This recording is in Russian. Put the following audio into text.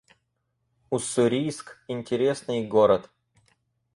Уссурийск — интересный город